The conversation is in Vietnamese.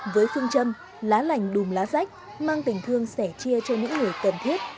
với phương châm lá lành đùm lá rách mang tình thương sẻ chia cho những người cần thiết